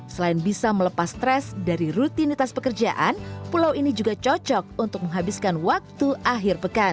selain bisa melepas stres dari rutinitas pekerjaan pulau ini juga cocok untuk menghabiskan waktu akhir pekan